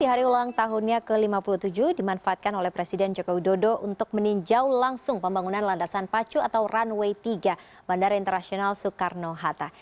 hari ulang tahunnya ke lima puluh tujuh dimanfaatkan oleh presiden joko widodo untuk meninjau langsung pembangunan landasan pacu atau runway tiga bandara internasional soekarno hatta